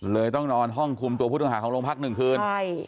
ต้องนอนห้องคุมตัวผู้ต้องหาของโรงพักหนึ่งคืน